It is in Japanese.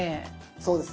そうです。